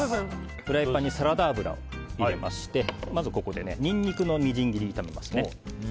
フライパンにサラダ油を入れましてまず、ここでニンニクのみじん切りを炒めます。